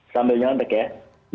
sambil nyontek ya